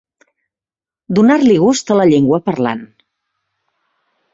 Donar-li gust a la llengua, parlant.